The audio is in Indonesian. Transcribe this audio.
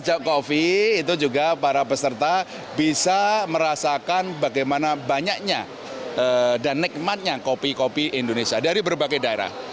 sejak kopi itu juga para peserta bisa merasakan bagaimana banyaknya dan nikmatnya kopi kopi indonesia dari berbagai daerah